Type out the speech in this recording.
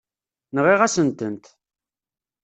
Nɣiɣ-asen-tent.